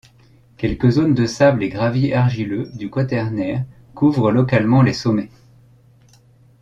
Quelques zones de sable et gravier argileux du Quaternaire couvrent localement les sommets.